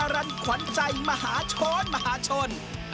ตั้งสรรควัญใจมหาชนมหาชน